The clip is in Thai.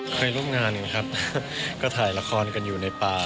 เคยร่วมงานนะครับก็ถ่ายละครกันอยู่ในป่า